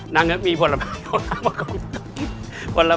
นางก็มีผลไม้ของนางมากล่องหนึ่ง